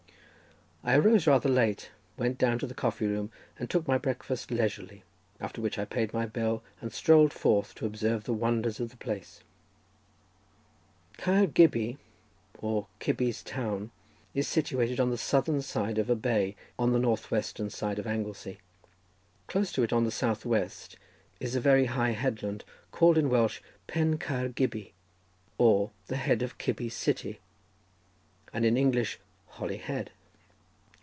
I arose rather late, went down to the coffee room and took my breakfast leisurely, after which I paid my bill and strolled forth to observe the wonders of the place. Caer Gybi, or Cybi's town, is situated on the southern side of a bay on the north western side of Anglesey. Close to it, on the south west, is a very high headland, called in Welsh Pen Caer Gybi, or the head of Cybi's city, and in English Holyhead.